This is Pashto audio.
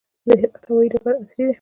د هرات هوايي ډګر عصري دی